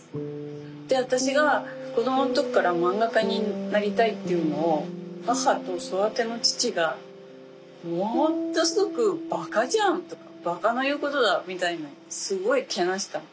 で私が子供の時から漫画家になりたいっていうのを母と育ての父がものすごくバカじゃんとかバカの言うことだみたいにすごいけなしたの。